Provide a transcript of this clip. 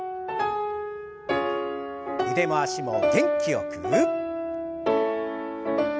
腕も脚も元気よく。